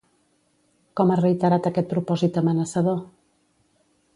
Com ha reiterat aquest propòsit amenaçador?